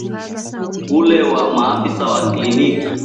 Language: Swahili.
ule wa maafisa wa kliniki